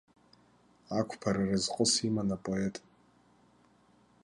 Ақәԥара разҟыс иман апоет.